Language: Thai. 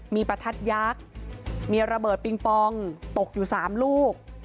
มีประทัดยักษ์มีระเบิดปิงปองตกอยู่๓ลูก